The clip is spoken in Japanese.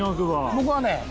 僕はね